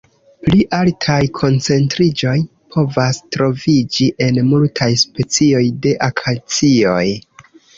Pli altaj koncentriĝoj povas troviĝi en multaj specioj de akacioj.